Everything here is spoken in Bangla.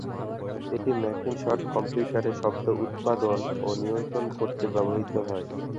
এটি ম্যাকিনটশ কম্পিউটারে শব্দ উৎপাদন ও নিয়ন্ত্রণ করতে ব্যবহৃত হয়।